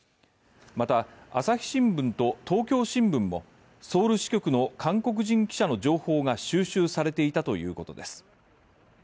また、「朝日新聞」と「東京新聞」も韓国人記者の情報が収集されていたということです。